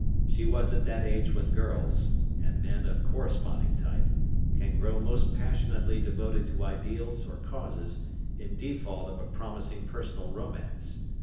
She was at that age when girls and men of corresponding type can grow most passionately devoted to ideals or causes in default of a promising personal romance.